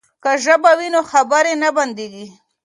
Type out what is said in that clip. که ژبه وي نو خبرې نه بندیږي.